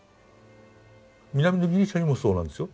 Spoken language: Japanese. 南のギリシャにもそうなんですよ。